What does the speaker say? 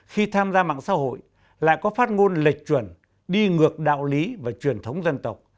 khi tham gia mạng xã hội lại có phát ngôn lệch chuẩn đi ngược đạo lý và truyền thống dân tộc